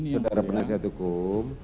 saudara penasihat hukum